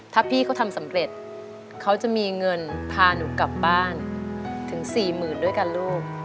ถ้าพี่เขาทำสำเร็จเขาจะมีเงินพาหนูกลับบ้านถึงสี่หมื่นด้วยกันลูก